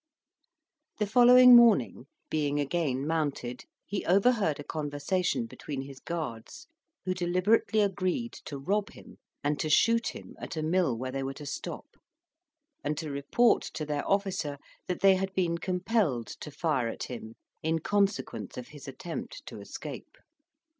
The following morning, being again mounted, he overheard a conversation between his guards, who deliberately agreed to rob him, and to shoot him at a mill where they were to stop, and to report to their officer that they had been compelled to fire at him in consequence of his attempt to escape.